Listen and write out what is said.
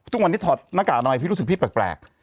ทุกวันที่ถอดหน้ากากอนามัยพี่รู้สึกพี่แปลก